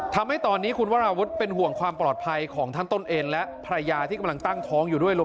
ทำให้ตอนนี้คุณวราวุฒิเป็นห่วงความปลอดภัยของท่านต้นเอ็นและภรรยาที่กำลังตั้งท้องอยู่ด้วย